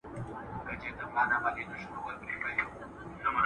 دوی به خپلي ژمنې پوره کړي.